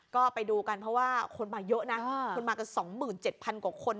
ก็ไปดูกันเพราะว่าคนมาเยอะนะคนมากัน๒๗๐๐กว่าคน